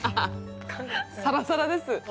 サラサラです。